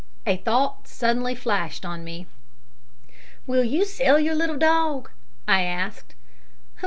A thought suddenly flashed on me: "Will you sell your little dog?" I asked.